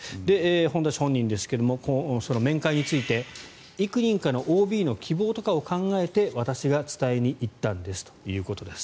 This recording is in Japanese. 本田氏本人ですがその面会についていく人かのＯＢの希望とかを考えて私が伝えに行ったんですということです。